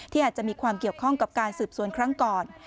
อาจจะมีความเกี่ยวข้องกับการสืบสวนครั้งก่อน